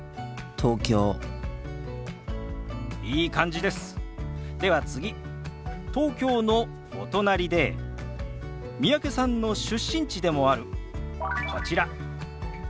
東京のお隣で三宅さんの出身地でもあるこちら。